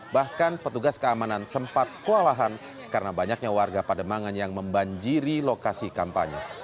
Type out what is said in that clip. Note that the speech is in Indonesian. bahkan petugas keamanan sempat kewalahan karena banyaknya warga pademangan yang membanjiri lokasi kampanye